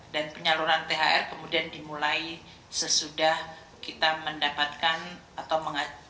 dan penyaluran thr kemudian dimulai sesudah kita mendapatkan atau menerima pengajuan perintah